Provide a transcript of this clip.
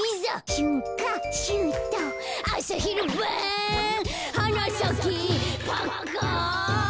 「しゅんかしゅうとう」「あさひるばん」「はなさけパッカン」